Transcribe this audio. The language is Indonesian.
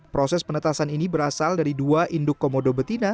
proses penetasan ini berasal dari dua induk komodo betina